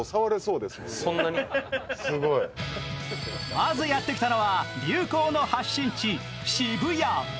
まずやってきたのは流行の発信地、渋谷。